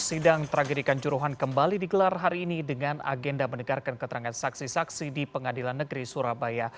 sidang tragedi kanjuruhan kembali dikelar hari ini dengan agenda mendekarkan keterangan saksi saksi di pengadilan negeri surabaya